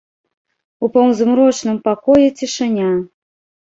У паўзмрочным пакоі цішыня.